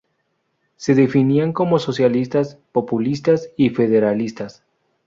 Se definían como socialistas, populistas y federalistas.